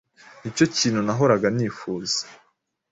Nicyo kintu nahoraga nifuza.